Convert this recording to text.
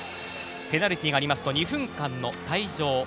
ペナルティーがありますと２分間の退場。